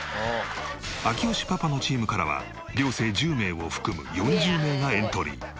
明慶パパのチームからは寮生１０名を含む４０名がエントリー。